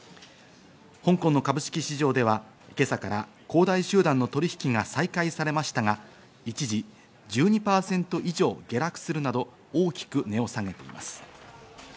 香港の株式市場では今朝から恒大集団の取引が再開されましたが、一時、１２％以上下落するなど大きく値を下げています。